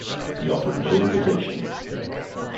He offered no invitation.